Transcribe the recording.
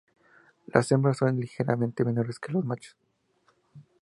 Las hembras son ligeramente menores que los machos.